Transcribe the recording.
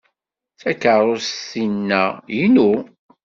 Takeṛṛust-inna inu.